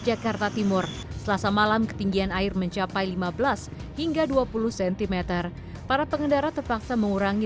jakarta timur selasa malam ketinggian air mencapai lima belas hingga dua puluh cm para pengendara terpaksa mengurangi